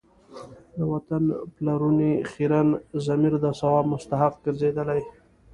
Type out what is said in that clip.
د وطن پلورنې خیرن ضمیر د ثواب مستحق ګرځېدلی.